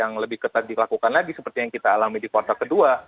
yang lebih ketat dilakukan lagi seperti yang kita alami di kuartal kedua